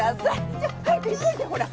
じゃあ早く急いでほら。